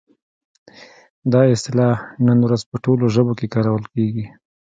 دا اصطلاح نن ورځ په ټولو ژبو کې کارول کیږي.